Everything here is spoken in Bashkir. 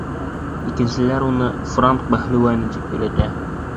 Икенселәр уны «франк бәһлеүәне» тип йөрөтә.